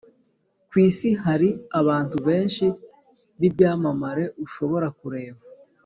Ku isi hari abantu benshi b ibyamamare ushobora kureba